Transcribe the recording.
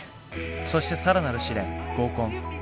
そして更なる試練合コン。